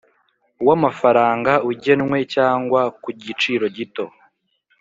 W amafaranga ugenwe cyangwa ku giciro gito